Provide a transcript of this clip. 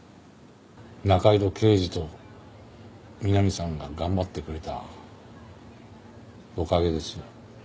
仲井戸刑事とみなみさんが頑張ってくれたおかげですよ。